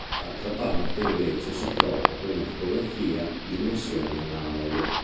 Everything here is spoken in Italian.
Dall'altra parte invece si trova una fotografia dimensioni analoghe.